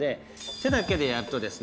手だけでやるとですね